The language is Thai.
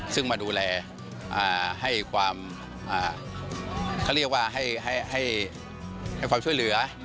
ซึ่งมาดูแลให้ความเขาเรียกว่าให้ความช่วยเหลือ